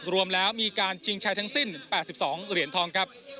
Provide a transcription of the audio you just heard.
รวมแล้วมีการชิงชัยทั้งสิ้น๘๒เหรียญทองครับ